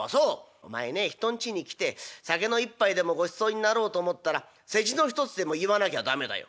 「お前ね人んちに来て酒の一杯でもごちそうになろうと思ったら世辞の一つでも言わなきゃ駄目だよ」。